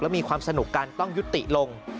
มีความสนุกกันต้องยุติลง